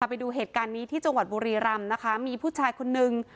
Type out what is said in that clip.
ไปดูเหตุการณ์นี้ที่จังหวัดบุรีรำนะคะมีผู้ชายคนนึง